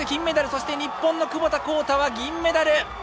そして日本の窪田幸太は銀メダル！